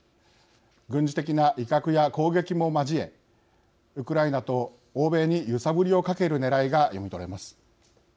軍事的な威嚇や攻撃も交えウクライナと欧米に揺さぶりをかけるねらいが読み取れます。